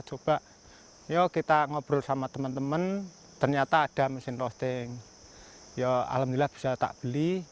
coba yuk kita ngobrol sama temen temen ternyata ada mesin roasting ya alhamdulillah bisa tak beli